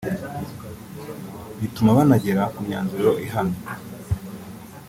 bituma banagera ku myanzuro ihamye